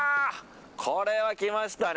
これはきましたね。